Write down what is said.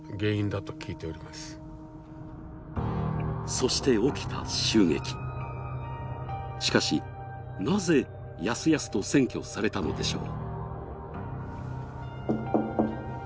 そして起きた襲撃、しかし、なぜやすやすと占拠されたのでしょう。